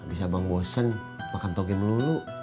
abis abang bosen makan toge melulu